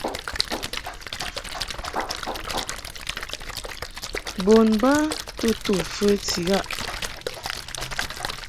Bon ba to to fəti ghaʼ.